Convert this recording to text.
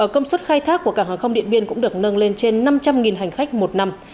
công suất khai thác của cảng hàng không điện biên cũng được nâng lên trên năm trăm linh hành khách một năm